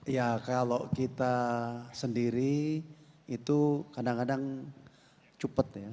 ya kalau kita sendiri itu kadang kadang cepat ya